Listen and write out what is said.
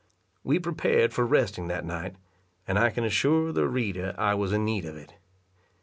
We prepared for resting that night, and I can assure the reader I was in need of it.